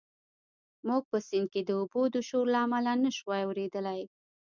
موږ په سیند کې د اوبو د شور له امله نه شوای اورېدلی.